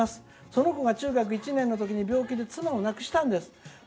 その子が中学１年の時病気で妻を亡くしたんです。